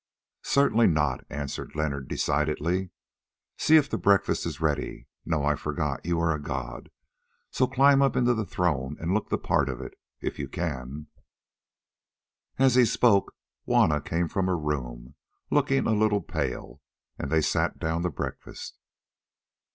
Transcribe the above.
"Certainly not," answered Leonard decidedly. "See if the breakfast is ready. No, I forgot, you are a god, so climb up into the throne and look the part, if you can." As he spoke, Juanna came from her room, looking a little pale, and they sat down to breakfast.